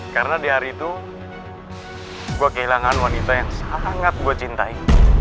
karena di hari itu gue kehilangan wanita yang sangat gue cintai